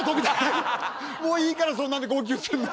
もういいからそんなんで号泣すんの。